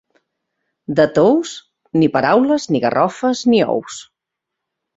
De Tous, ni paraules, ni garrofes ni ous.